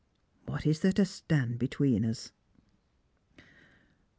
What is there to stand between us